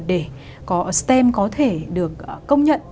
để có stem có thể được công nhận